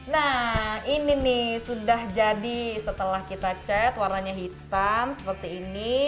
nah ini nih sudah jadi setelah kita cat warnanya hitam seperti ini